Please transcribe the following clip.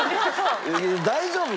大丈夫？